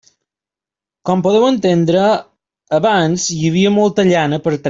Com podeu entendre, abans hi havia molta llana per treure.